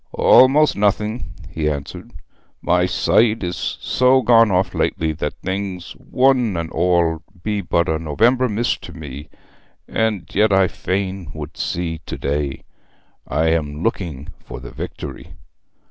'Almost nothing,' he answered. 'My sight is so gone off lately that things, one and all, be but a November mist to me. And yet I fain would see to day. I am looking for the Victory.'